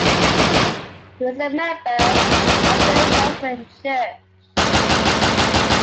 He was a member of the Lutheran church.